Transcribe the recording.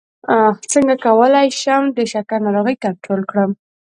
څنګه کولی شم د شکر ناروغي کنټرول کړم